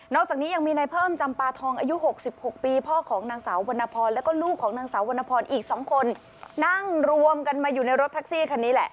นอกจากนี้ยังมีนายเพิ่มจำปาทองอายุ๖๖ปี